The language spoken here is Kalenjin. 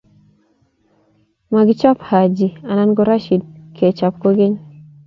Makichob Haji anan ko Rashid kechob kokeny.